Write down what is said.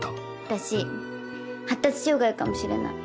私発達障害かもしれない。